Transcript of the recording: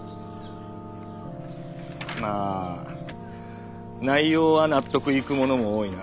まあ内容は納得いくものも多いな。